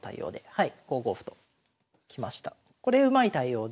はい。